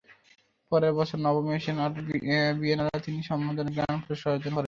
পরের বছর নবম এশিয়ান আর্ট বিয়েনালে তিনি সম্মানজনক গ্র্যান্ড পুরস্কার অর্জন করেন।